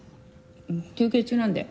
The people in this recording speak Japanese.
休憩中なんで。